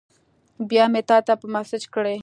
بیا مې تاته په میسج کړی